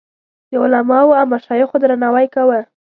د علماوو او مشایخو درناوی کاوه.